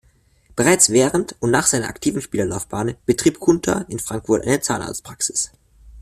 Bereits während und nach seiner aktiven Spielerlaufbahn betrieb Kunter in Frankfurt eine Zahnarztpraxis.